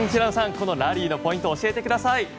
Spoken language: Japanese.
このラリーのポイントを教えてください。